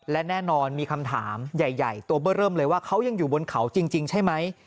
และแน่นอนมีคำถามใหญ่ตัวเบอร์เริ่มเลยว่าเขายังอยู่บนเขาจริงใช่ไหม